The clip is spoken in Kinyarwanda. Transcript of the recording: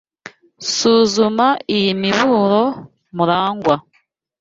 Suzuma iyi miburo, Murangwa.